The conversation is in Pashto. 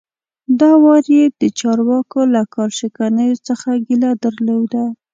دا وار یې د چارواکو له کار شکنیو څخه ګیله درلوده.